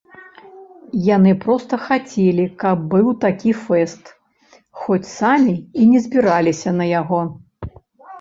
Яны проста хацелі, каб быў такі фэст, хоць самі і не збіраліся на яго.